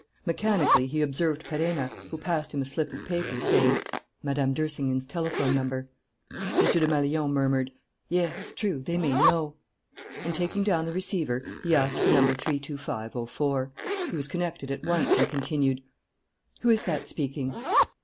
Mechanically he observed Perenna, who passed him a slip of paper, saying: "Mme. d'Ersingen's telephone number." M. Desmalions murmured: "Yes, true, they may know " And, taking down the receiver, he asked for number 325.04. He was connected at once and continued: "Who is that speaking?...